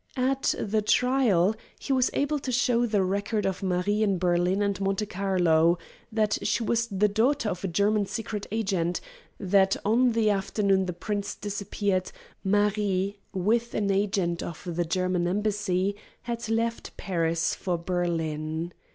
At the trial he was able to show the record of Marie in Berlin and Monte Carlo; that she was the daughter of a German secret agent; that on the afternoon the prints disappeared Marie, with an agent of the German embassy, had left Paris for Berlin.